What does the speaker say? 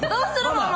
ママ！